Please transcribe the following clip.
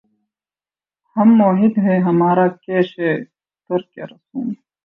ہم موّحد ہیں‘ ہمارا کیش ہے ترکِ رسوم